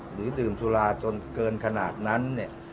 หรือดื่มสุราจนเกินขนาดนั้นเนี่ย